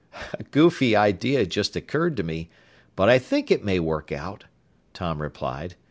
"A goofy idea just occurred to me, but I think it may work out," Tom replied.